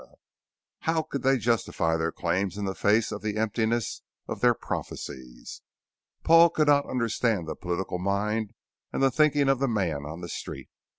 How could they justify their claims in the face of the emptiness of their prophecies? Paul could not understand the political mind and the thinking of the man on the street.